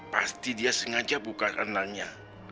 pasti dia sengaja buka renangnya